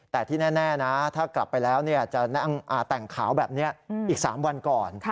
แต่ที่แน่นะถ้ากลับไปแล้วจะแต่งขาวแบบนี้อีก๓วันก่อน